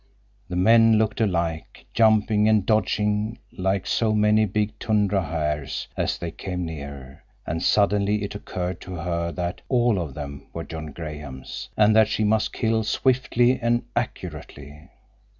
The men looked alike, jumping and dodging like so many big tundra hares as they came nearer, and suddenly it occurred to her that all of them were John Grahams, and that she must kill swiftly and accurately.